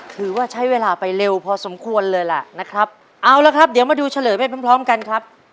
ถือว่าใช้เวลาไปเร็วพอสมควรเลยล่ะนะครับเอาละครับเดี๋ยวมาดูเฉลยไปพร้อมพร้อมกันครับ